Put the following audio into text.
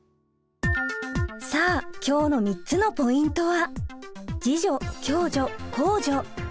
さあ今日の３つのポイントは。